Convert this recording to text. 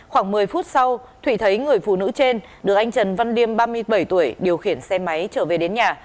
khoảng một mươi phút sau thụy thấy người phụ nữ trên được anh trần văn liêm ba mươi bảy tuổi điều khiển xe máy trở về đến nhà